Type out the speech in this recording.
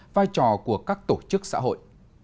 vai trò của các tổ chức xã hội